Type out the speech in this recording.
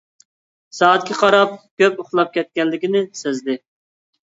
سائەتكە قاراپ كۆپ ئۇخلاپ كەتكەنلىكىنى سەزدى.